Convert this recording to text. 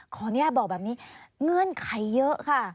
ขออนุญาตบอกแบบนี้เงื่อนไขเยอะค่ะ